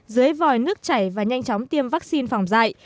dưới vòi nước chảy và nhanh chóng tiêm vaccine phòng dạy